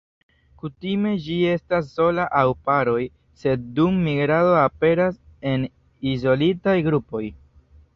Kutime ĝi estas sola aŭ en paroj, sed dum migrado aperas en izolitaj grupoj.